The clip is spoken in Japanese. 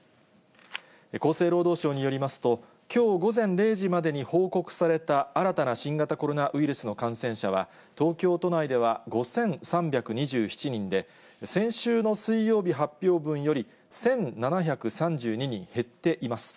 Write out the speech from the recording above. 厚生労働省によりますと、きょう午前０時までに報告された新たな新型コロナウイルスの感染者は、東京都内では５３２７人で、先週の水曜日発表分より、１７３２人減っています。